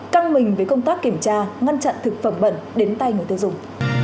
căng mình với công tác kiểm tra ngăn chặn thực phẩm bẩn đến tay người tiêu dùng